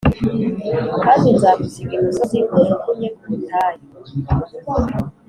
Kandi nzagusiga imusozi nkujugunye ku butayu